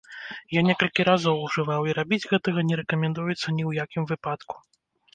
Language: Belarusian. Я некалькі разоў ужываў, і рабіць гэтага не рэкамендуецца ні ў якім выпадку!